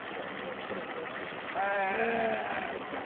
一目惚れをしてしまったような感じでございます